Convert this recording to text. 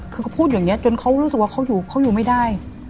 คือเขาพูดอย่างนี้จนเขารู้สึกว่าเขาอยู่ไม่ได้